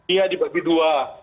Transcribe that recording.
ini dibagi dua